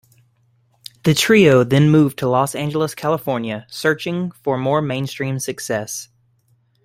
The trio then moved to Los Angeles, California, searching for more mainstream success.